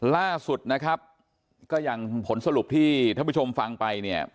ล่าสุดนะครับก็อย่างผลสรุปที่ท่านผู้ชมฟังไปเนี่ย